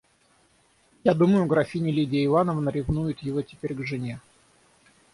Я думаю, графиня Лидия Ивановна ревнует его теперь к жене.